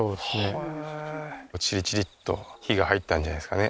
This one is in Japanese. へえーチリチリッと火が入ったんじゃないですかね